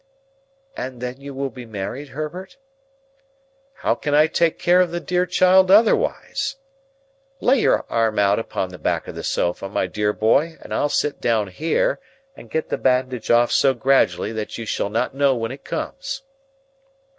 "And then you will be married, Herbert?" "How can I take care of the dear child otherwise?—Lay your arm out upon the back of the sofa, my dear boy, and I'll sit down here, and get the bandage off so gradually that you shall not know when it comes.